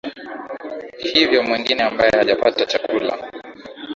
hivyo mwengine ambaye hajapata chakula